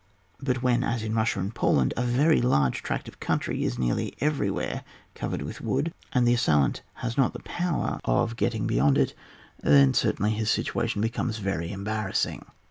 — But when, as in Bussia and Poland, a very large tract of country is nearly everywhere covered with wood, and the assailant has not the power of getting beyond I 18 ON WAR, [book til it, then, certainly, Hb situation becomes very embarrassing.